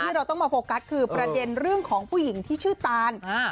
เราต้องมาโฟกัสคือประเด็นเรื่องของผู้หญิงที่ชื่อตาน